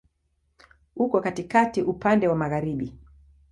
Uko katikati, upande wa magharibi.